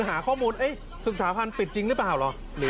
หาข้อมูลศึกษาพันธ์ปิดจริงหรือเปล่าเหรอ